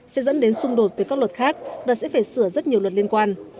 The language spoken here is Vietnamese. sẽ dẫn đến xung đột với các luật khác và sẽ phải sửa rất nhiều luật liên quan